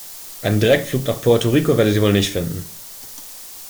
Einen Direktflug nach Puerto Rico werdet ihr wohl nicht finden.